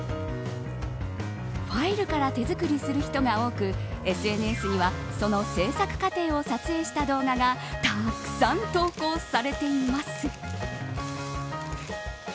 ファイルから手作りする人が多くＳＮＳにはその製作過程を撮影した動画がたくさん投稿されています。